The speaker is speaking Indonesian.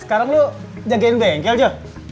sekarang lo jagain bengkel joh